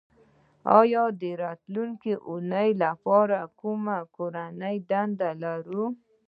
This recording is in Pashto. ایا د راتلونکې اونۍ لپاره کومه کورنۍ دنده لرو